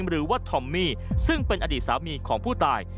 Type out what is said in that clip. หรือว่าทอมมี่ซึ่งเป็นอดีตสามีของผู้ตาย